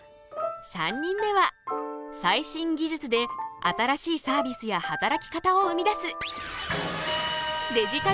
３人目は最新技術で新しいサービスや働き方を生み出す。